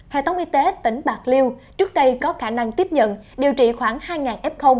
hệ thống y tế tỉnh bạc liêu trước đây có khả năng tiếp nhận điều trị khoảng hai f